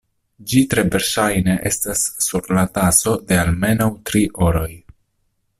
Ĝi tre verŝajne estas sur la taso de almenaŭ tri horoj.